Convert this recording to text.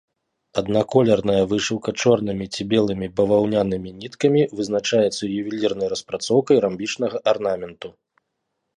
Аднаколерная вышыўка чорнымі ці белымі баваўнянымі ніткамі вызначаецца ювелірнай распрацоўкай рамбічнага арнаменту.